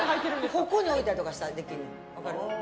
ここに置いたりとかしたらできるの分かる？